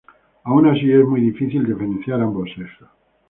Aun así, es muy difícil diferenciar ambos sexos.